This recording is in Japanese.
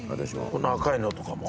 この赤いのとかも？